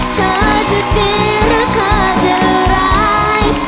เธอจะตีหรือเธอจะร้าย